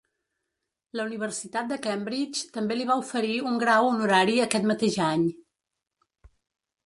La Universitat de Cambridge també li va oferir un grau honorari aquest mateix any.